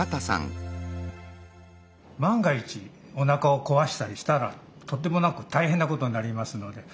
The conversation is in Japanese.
万が一おなかをこわしたりしたらとんでもなく大変なことになりますので。